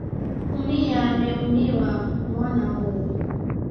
Umia ameumia mwana huu.